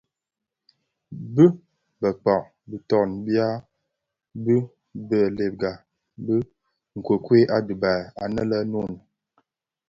Bi bëkpag bitoň bya bi bèlèga bi nkokuel a dhibaï anë le Noun.